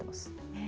へえ。